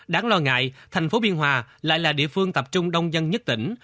đáng lo ngại thành phố biên hòa lại là địa phương tập trung đông dân nhất tỉnh